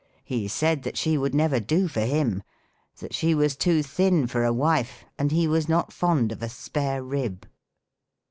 " He said that she would never do for him ; that she was too tliin for a wfe, and he was not fond if a spare rib."